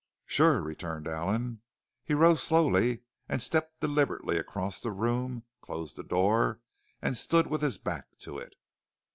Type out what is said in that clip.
"Sure," returned Allen. He rose slowly, stepped deliberately across the room, closed the door, and stood with his back to it.